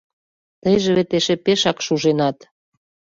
Тыйже вет эше пешак шуженат.